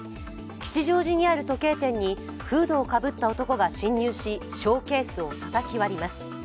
吉祥寺にある時計店にフードをかぶった男が侵入し、ショーケースをたたき割ります。